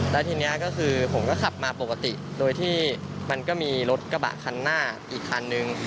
แล้วทีนี้ก็คือผมก็ขับมาปกติโดยที่มันก็มีรถกระบะคันหน้าอีกคันนึง